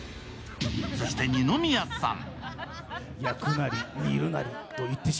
そして二宮さん。